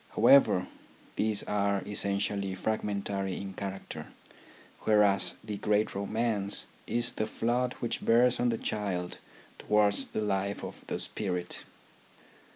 However, these are essentially fragmentary in character, whereas the great romance is the flood which bears on the child towards the life of the spirit.